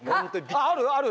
あるある？